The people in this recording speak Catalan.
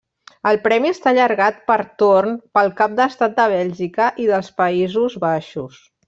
El premi està allargat per torn pel cap d'estat de Bèlgica i dels Països Baixos.